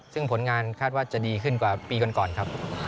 ซึ่งผลงานคาดว่าจะดีขึ้นกว่าปีก่อนครับ